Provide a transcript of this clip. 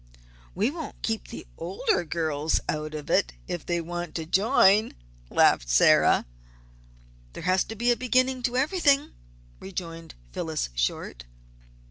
"We won't keep the older girls out of it, if they want to join," laughed Sarah. "And there has to be a beginning to everything," rejoined Phyllis Short.